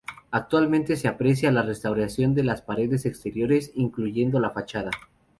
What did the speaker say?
Actualmente se aprecia la restauración de las paredes exteriores incluyendo la fachada.